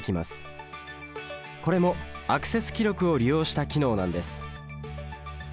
これもアクセス記録を利用した機能なんです。